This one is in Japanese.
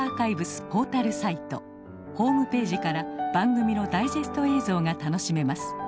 ホームページから番組のダイジェスト映像が楽しめます。